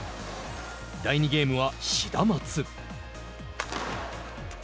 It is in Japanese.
第２ゲームは、シダマツ。